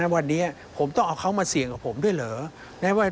วันนี้ผมต้องเอาเขามาเสี่ยงกับผมด้วยเหรอ